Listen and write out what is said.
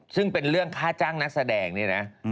ซึ่งเป็นเรื่องค่าจ้างนักแสดงเนี่ยนะ